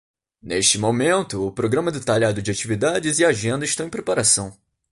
Neste momento, o programa detalhado de atividades e a agenda estão em preparação.